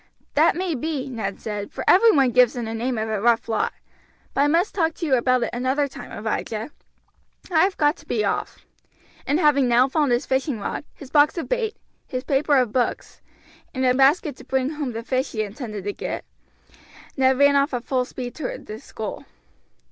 "That may be," Ned said, "for every one gives them the name of a rough lot; but I must talk to you about it another time, Abijah, I have got to be off;" and having now found his fishing rod, his box of bait, his paper of books, and a basket to bring home the fish he intended to get, Ned ran off at full speed toward the school.